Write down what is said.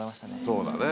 そうだね